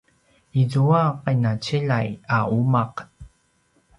izua qinaciljay a umaq